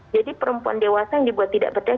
jadi perempuan dewasa yang dibuat tidak berdaya